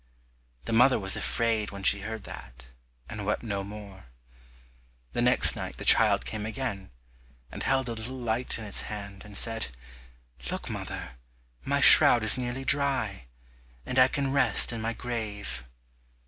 The mother was afraid when she heard that, and wept no more. The next night the child came again, and held a little light in its hand, and said, "Look, mother, my shroud is nearly dry, and I can rest in my grave."